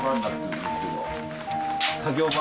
作業場？